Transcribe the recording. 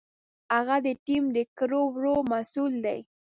هغه د ټیم د کړو وړو مسؤل دی.